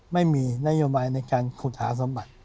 ไม่มีนโยบายในการขุดหาสมบัติ